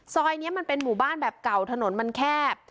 ซอยนี้มันเป็นหมู่บ้านแบบเก่าถนนมันแคบ